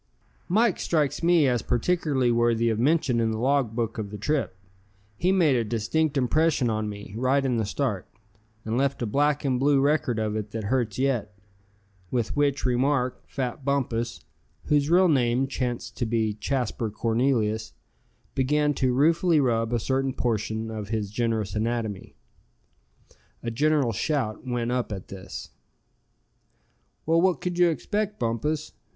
"Mike strikes me as particularly worthy of mention in the log book of the trip. He made a distinct impression on me, right in the start; and left a black and blue record of it that hurts yet," with which remark, fat Bumpus whose real name chanced to be Jasper Cornelius, began to ruefully rub a certain portion of his generous anatomy. A general shout went up at this. "Well, what could you expect, Bumpus?"